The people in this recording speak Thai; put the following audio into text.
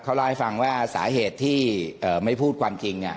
เขาเล่าให้ฟังว่าสาเหตุที่ไม่พูดความจริง